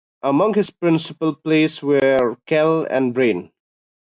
Among his principal players were Kell and Brain.